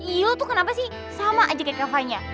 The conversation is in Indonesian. iya lo tuh kenapa sih sama aja kayak kevanya